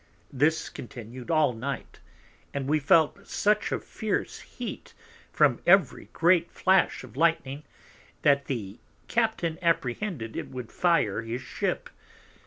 This continued all Night; and we felt such a fierce Heat from every great Flash of Lightning, that the Captain apprehended it would fire his Ship.